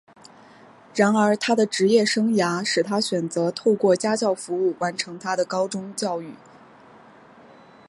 然而他的职业生涯使他选择透过家教服务完成他的高中教育。